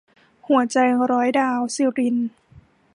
หัวใจร้อยดาว - สิริณ